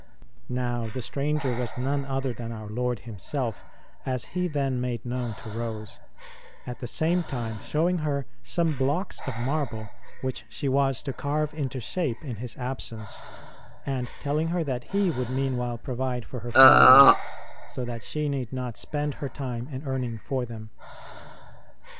Now, the stranger was none other than our Lord Himself, as He then made known to Rose ; at the same time showing her some blocks of marble which she was to carve into shape in His absence, and telling her that He would meanwhile provide for her family, so that she need not spend her time in earning for them.